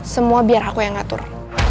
semua biar aku yang ngatur